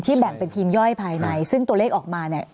แบ่งเป็นทีมย่อยภายในซึ่งตัวเลขออกมาเนี่ย